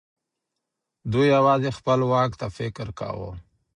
دوی يوازې خپل واک ته فکر کاوه.